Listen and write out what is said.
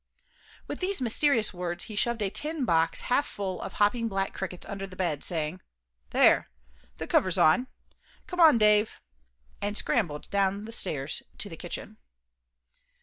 With these mysterious words he shoved a tin box half full of hopping black crickets under the bed, saying, "There, the cover's on. Come on, Dave," and scrambled down the stairs to the kitchen.